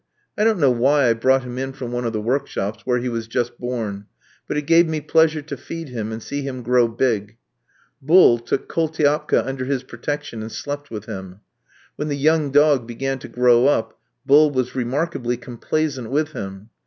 I don't know why I brought him in from one of the workshops, where he was just born; but it gave me pleasure to feed him, and see him grow big. Bull took Koultiapka under his protection, and slept with him. When the young dog began to grow up, Bull was remarkably complaisant with him.